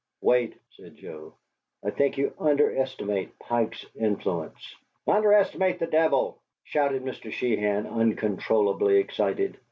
"Wait," said Joe. "I think you underestimate Pike's influence " "Underestimate the devil!" shouted Mr. Sheehan, uncontrollably excited.